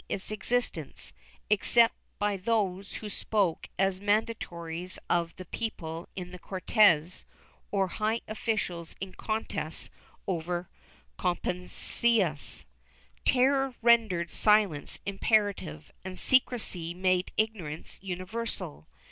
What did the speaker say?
II] HABITUAL SELF RESTRAINT 515 its existence, except by those who spoke as mandatories of the people in the Cortes or high officials in contests over competencias. Terror rendered silence imperative, and secrecy made ignorance universal.